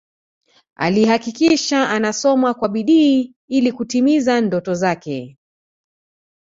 Alihakikisha anasoma kwa bidii ili kutimiza ndoto zake